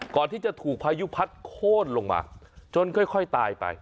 ก่อนที่จะถูกพายุพัดโค้นลงมาจนค่อยตายไป